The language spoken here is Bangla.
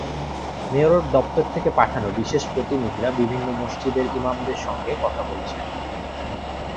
মেয়রের দপ্তর থেকে পাঠানো বিশেষ প্রতিনিধিরা বিভিন্ন মসজিদের ইমামদের সঙ্গে কথা বলছেন।